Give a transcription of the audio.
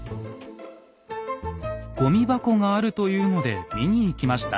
ごみ箱があるというので見に行きました。